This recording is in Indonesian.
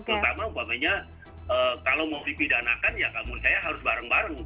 terutama umpamanya kalau mau dipidanakan ya kamu dan saya harus bareng bareng gitu